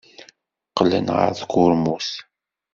Qqlen ɣer tkurmut.